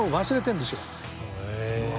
へえ。